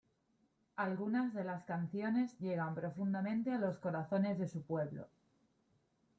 Algunas de las canciones llegan profundamente a los corazones de su pueblo.